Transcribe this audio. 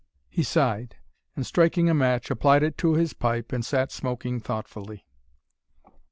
He sighed, and, striking a match, applied it to his pipe and sat smoking thoughtfully.